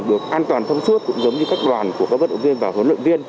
được an toàn thông suốt cũng giống như các đoàn của các vận động viên và huấn luyện viên